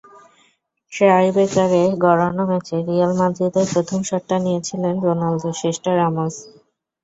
টাইব্রেকারে গড়ানো ম্যাচে রিয়াল মাদ্রিদের প্রথম শটটা নিয়েছিলেন রোনালদো, শেষটা রামোস।